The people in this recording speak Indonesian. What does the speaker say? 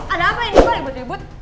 ada apa ini mbak debut debut